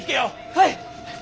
はい！